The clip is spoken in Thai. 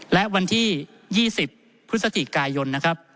และวันที่๒๐พฤษฎีกายน